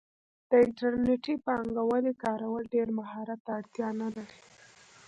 د انټرنیټي بانکوالۍ کارول ډیر مهارت ته اړتیا نه لري.